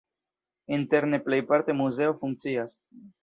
Interne plejparte muzeo funkcias.